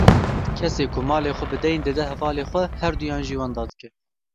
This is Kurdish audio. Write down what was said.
Kesê ku malê xwe bi deyn dide hevalê xwe, her duyan jî wenda dike.